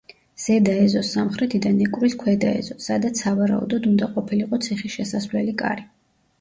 ზედა ეზოს სამხრეთიდან ეკვრის ქვედა ეზო, სადაც სავარაუდოდ უნდა ყოფილიყო ციხის შესასვლელი კარი.